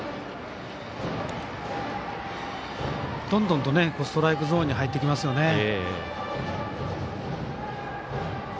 どんどんストライクゾーン入ってきますよね。